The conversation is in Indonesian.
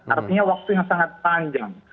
artinya waktu yang sangat panjang